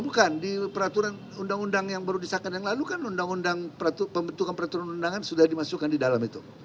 bukan di peraturan undang undang yang baru disahkan yang lalu kan undang undang pembentukan peraturan undangan sudah dimasukkan di dalam itu